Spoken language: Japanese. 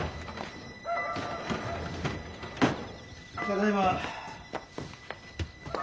ただいま。